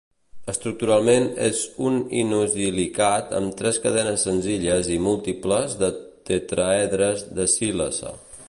Estructuralment és un inosilicat amb tres cadenes senzilles i múltiples de tetraedres de sílice.